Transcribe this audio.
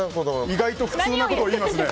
意外と普通なことを言いますね。